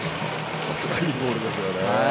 さすがいいボールですよね。